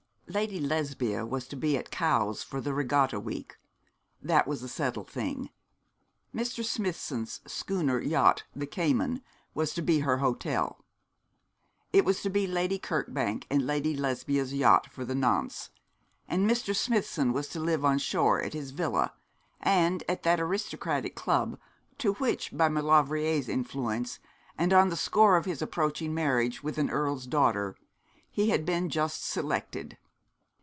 Lady Lesbia was to be at Cowes for the Regatta week. That was a settled thing. Mr. Smithson's schooner yacht, the Cayman, was to be her hotel. It was to be Lady Kirkbank and Lady Lesbia's yacht for the nonce; and Mr. Smithson was to live on shore at his villa, and at that aristocratic club to which, by Maulevrier's influence, and on the score of his approaching marriage with an earl's daughter, he had been just selected.